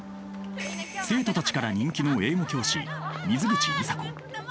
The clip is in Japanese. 生徒たちから人気の英語教師水口里紗子。